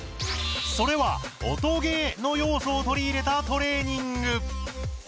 それは「音ゲー」の要素を取り入れたトレーニング。